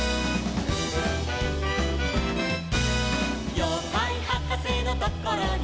「ようかいはかせのところに」